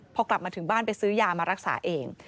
พอกลับมาถึงบ้านไปซื้อยามารักษาเอง